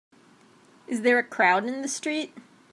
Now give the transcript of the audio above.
Is there a crowd in the street?